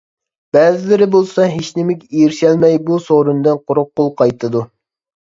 بەزىلىرى بولسا ھېچنېمىگە ئېرىشەلمەي، بۇ سورۇندىن قۇرۇق قول قايتىدۇ.